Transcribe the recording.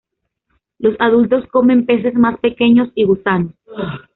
Los adultos comen peces más pequeños y gusanos.